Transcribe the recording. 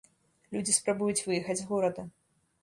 Людзі спрабуюць выехаць з горада.